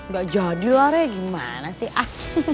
gak jadi lah ray gimana sih ah